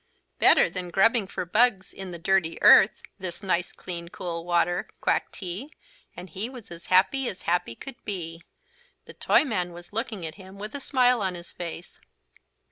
"Better than grubbing for bugs in the dirty earth, this nice clean cool water," quacked he, and he was as happy as happy could be. The Toyman was looking at him with a smile on his face.